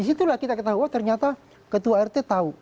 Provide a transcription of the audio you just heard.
di situ lah kita ketahuan ternyata ketua rt tahu